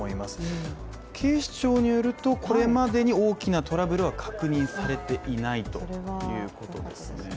警視庁によると、これまでに大きなトラブルは確認されていないということですね。